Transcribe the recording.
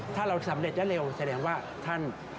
ถ้าเราสำเร็จและเร็วแสดงว่าท่าน